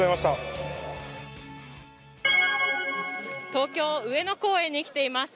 東京・上野公園に来ています。